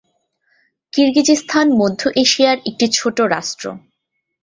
কিরগিজস্তান মধ্য এশিয়ার একটি ছোট রাষ্ট্র।